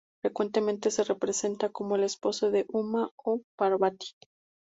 Frecuentemente se representa como el esposo de Uma o Parvati.